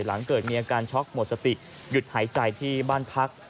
หลังเกิดมีอาการช็อกหมดสติหยุดหายใจที่บ้านพัก